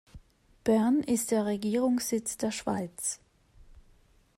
Bern ist der Regierungssitz der Schweiz.